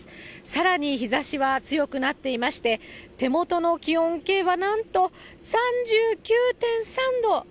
さらに日ざしは強くなっていまして、手元の気温計はなんと３９．３度。